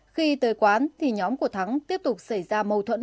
khi tới quán thì nhóm của thắng tiếp tục xảy ra mâu thuẫn